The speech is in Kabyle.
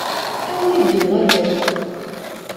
Awer i d-tuɣaleḍ!